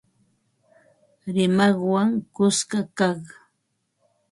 Rimaqwan kuska kaq